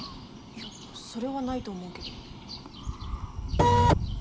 いやそれはないと思うけど。